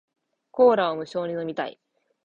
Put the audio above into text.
ごま油買ってきて